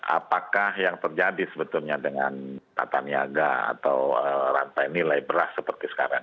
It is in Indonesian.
apakah yang terjadi sebetulnya dengan tata niaga atau rantai nilai beras seperti sekarang